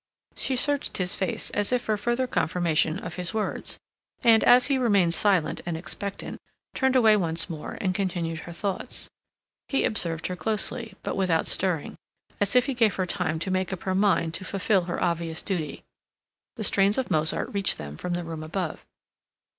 She searched his face, as if for further confirmation of his words, and, as he remained silent and expectant, turned away once more and continued her thoughts. He observed her closely, but without stirring, as if he gave her time to make up her mind to fulfil her obvious duty. The strains of Mozart reached them from the room above.